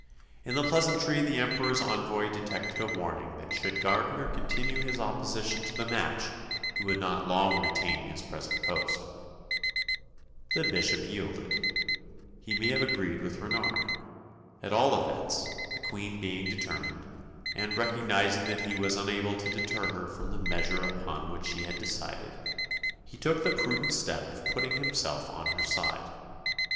In the pleasantry the Emperor's envoy detected a warning that should Gardiner continue his opposition to the match he would not long retain his present post. The Bishop yielded. He may have agreed with Renard. At all events, the Queen being determined, and recognising that he was unable to deter her from the measure upon which she had decided, he took the prudent step of putting himself on her side.